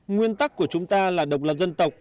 nguyên tắc của chúng ta là độc lập dân tộc